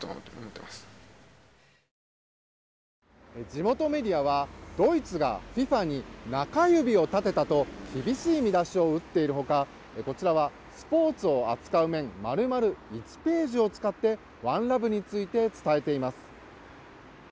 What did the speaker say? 地元メディアはドイツがＦＩＦＡに中指を立てたと厳しい見出しを打っているほか、こちらはスポーツを扱う面丸々１ページを使ってワンラブについて伝えています。